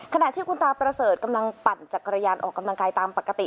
ขณะที่คุณตาประเสริฐกำลังปั่นจักรยานออกกำลังกายตามปกติ